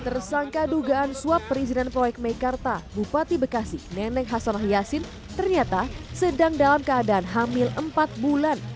tersangka dugaan suap perizinan proyek meikarta bupati bekasi neneng hasanah yassin ternyata sedang dalam keadaan hamil empat bulan